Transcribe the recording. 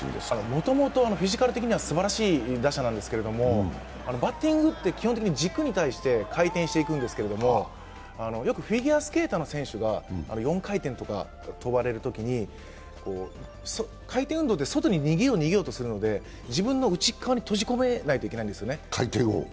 もともとフィジカル的にはすばらしい選手なんですけど、バッティングって基本的に軸に対して回転していくんですが、よくフィギュアスケートの選手が４回転とか跳ばれるときに回転運動って、外に逃げよう、逃げようとするので自分の内側に閉じ込めないといけないんですよね、回転を。